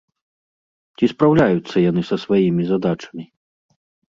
Ці спраўляюцца яны са сваімі задачамі?